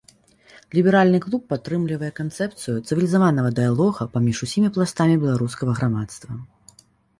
Ліберальны клуб падтрымлівае канцэпцыю цывілізаванага дыялога паміж усімі пластамі беларускага грамадства.